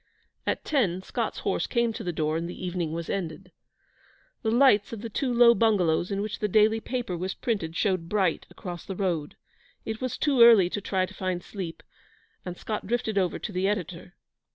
At ten Scott's horse came to the door, and the evening was ended. The lights of the two low bungalows in which the daily paper was printed showed bright across the road. It was too early to try to find sleep, and Scott drifted over to the editor.